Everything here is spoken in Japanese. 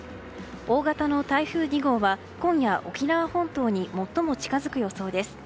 大型の台風２号は今夜沖縄本島に最も近づく予想です。